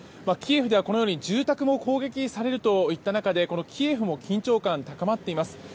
キエフではこのように住宅も攻撃されるといった中でこのキエフも緊張感が高まっています。